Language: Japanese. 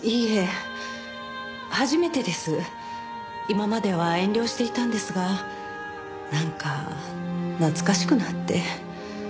今までは遠慮していたんですがなんか懐かしくなって。